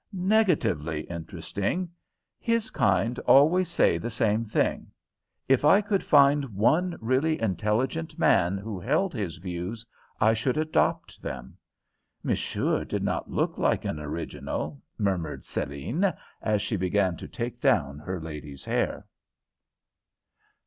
"Negatively interesting. His kind always say the same thing. If I could find one really intelligent man who held his views, I should adopt them." "Monsieur did not look like an original," murmured Céline, as she began to take down her lady's hair.